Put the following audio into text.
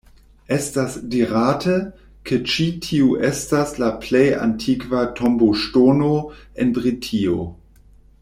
Estas dirate, ke ĉi tiu estas la plej antikva tomboŝtono en Britio.